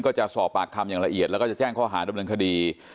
จะสอบปากคำอย่างละเอียดแล้วก็จะแจ้งข้อหาดำเนินคดี